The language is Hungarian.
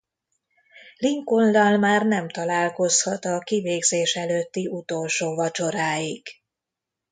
Lincolnnal már nem találkozhat a kivégzés előtti utolsó vacsoráig.